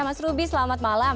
mas ruby selamat malam